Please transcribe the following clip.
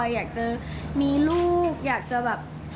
อยากจะมีลูกอยากจะแบบ